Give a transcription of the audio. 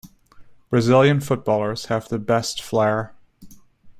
Brazilian footballers have the best flair.